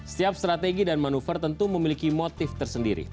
setiap strategi dan manuver tentu memiliki motif tersendiri